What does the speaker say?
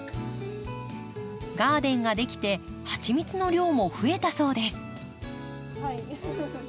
ガーデンが出来てハチミツの量も増えたそうです。